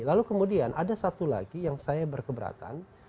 lalu kemudian ada satu lagi yang saya berkeberatan